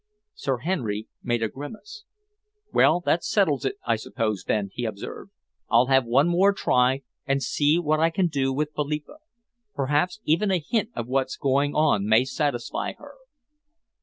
Sir Henry made a grimace. "Well, that settles it, I suppose, then," he observed. "I'll have one more try and see what I can do with Philippa. Perhaps a hint of what's going on may satisfy her."